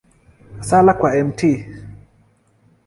Sala kwa Mt.